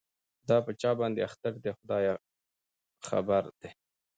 دا په چا باندي اختر دی خداي خبر دی